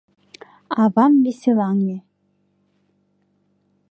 Авам веселаҥе.